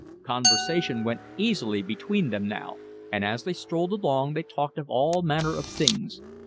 Conversation went easily between them now, and as they strolled along they talked of all manner of things.